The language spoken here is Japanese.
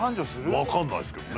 分かんないですけどね。